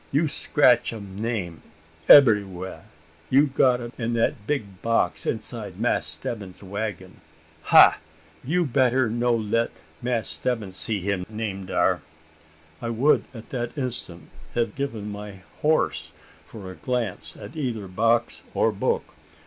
You scratch am name ebberywha; you got um on de big box inside Mass' Stebbins's waggon. Ha! you better no let Mass' Stebbins see him name dar!" I would at that instant have given my horse for a glance at either box or book.